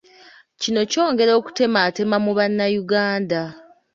Kino kyongera okutematema mu bannayuganda.